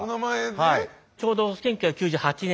ちょうど１９９８年。